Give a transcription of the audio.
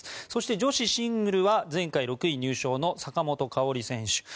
そして、女子シングルは前回６位入賞の坂本花織選手。